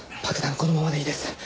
このままでいいです。